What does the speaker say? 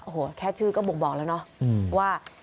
โอ้โหแค่ชื่อก็บ่งบอกแล้วเนาะว่า